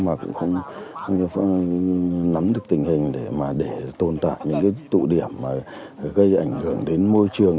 mà cũng không nắm được tình hình để tồn tại những tụ điểm gây ảnh hưởng đến môi trường